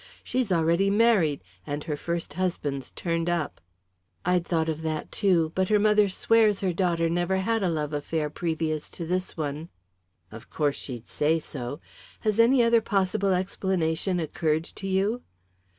She's already married, and her first husband's turned up." "I'd thought of that, too; but her mother swears her daughter never had a love affair previous to this one." "Of course she'd say so. Has any other possible explanation occurred to you?"